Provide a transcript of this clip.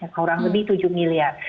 kurang lebih tujuh miliar